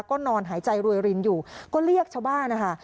ก็นอนหายใจรวยรินอยู่ก็เรียกชาวบ้านนะคะ